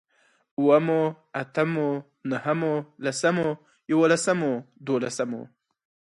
اوومو، اتمو، نهمو، لسمو، يوولسمو، دوولسمو